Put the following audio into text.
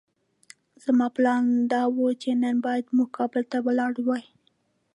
زموږ پلان دا وو چې نن بايد موږ کابل ته ولاړ وای.